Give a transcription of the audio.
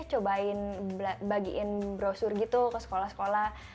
cobain bagiin brosur gitu ke sekolah sekolah